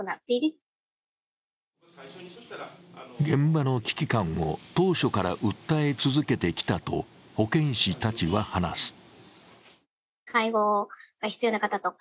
現場の危機感を当初から訴え続けてきたと、保健師たちは話す。